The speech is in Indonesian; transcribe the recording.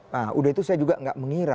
nah udah itu saya juga nggak mengira